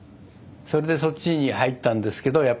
それでそっちに入ったんですけど